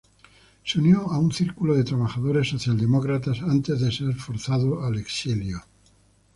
Se unió a un círculo de trabajadores socialdemócratas antes de ser forzado al exilio.